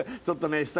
ちょっとね